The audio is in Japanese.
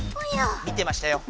見てましたよ！